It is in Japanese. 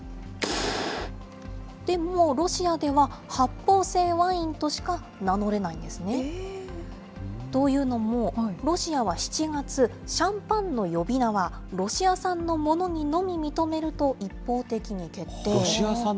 でも、ロシアでは発泡性ワインとしか名乗れないんですね。というのも、ロシアは７月、シャンパンの呼び名はロシア産のものにのみ認めると一方的に決定。